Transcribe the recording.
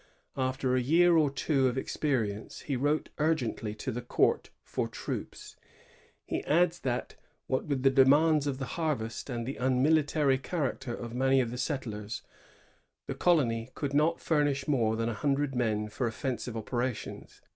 After a year or two of experi ence, he wrote urgently to the court for troops. He 1661.] FRANgOIS HEBTEL. 121 adds that, what with the demands of the harvest and the unmilitaiy character of many of the settlers, the colony could not furnish more than a hundred men for offensive operations.